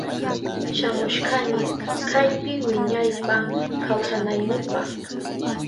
Shamushkani kaypi wiñaypa kawsanaynipa.